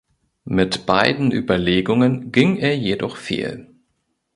Mit beiden Überlegungen ging er jedoch fehl.